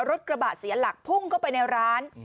รถกระบะเสียหลักพุ่งเข้าไปในร้าน